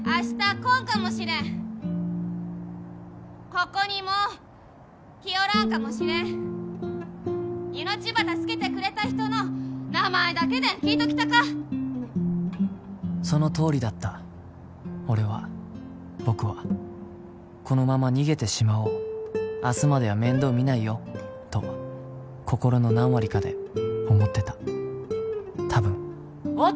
来んかもしれんここにもう来よらんかもしれん命ば助けてくれた人の名前だけでん聞いときたかそのとおりだった俺は僕はこのまま逃げてしまおう明日までは面倒見ないよと心の何割かで思ってたたぶん音！